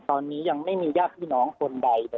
ตอนนี้ยังไม่มีญาติพี่น้องคนใดเลย